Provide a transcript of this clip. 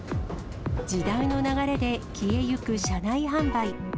時代の流れで消えゆく車内販売。